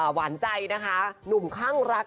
หวานใจนะคะหนุ่มข้างรัก